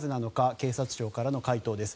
警察庁からの回答です。